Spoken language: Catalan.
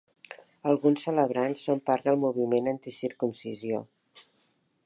Alguns celebrants són part del moviment anticircumcisió.